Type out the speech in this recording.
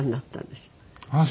ああ